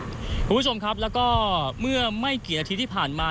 คุณผู้ชมครับแล้วก็เมื่อไม่กี่อาทิตย์ที่ผ่านมา